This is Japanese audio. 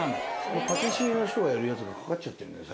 これパティシエの人がやるやつがかかっちゃってるんだよ